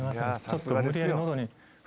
ちょっと無理やり。